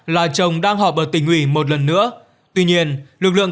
là chồng đang họp ở tình hủy một lần nữa tuy nhiên lực lượng